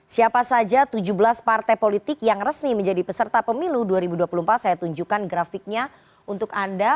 siapa saja tujuh belas partai politik yang resmi menjadi peserta pemilu dua ribu dua puluh empat saya tunjukkan grafiknya untuk anda